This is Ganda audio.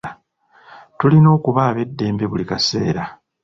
Tulina okuba ab'eddembe buli kiseera.